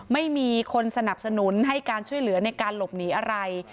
ไม่มีคนสนับสนุนให้การช่วยเหลือในการหลบหนีอะไร